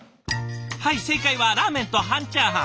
はい正解はラーメンと半チャーハン。